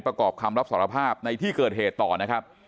ประกอบคำรับสารภาพในที่เกิดเหตุต่อนะครับ